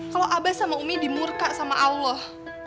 kalau abah sama umi dimurka sama allah